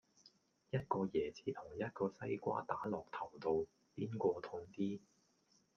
一個椰子同一個西瓜打落頭度,邊個痛啲